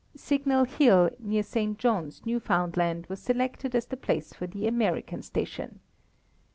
Signal Hill, near St. John's, Newfoundland was selected as the place for the American station.